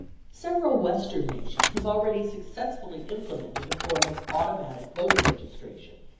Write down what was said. Several Western nations have already successfully implemented a form of automatic voter registration.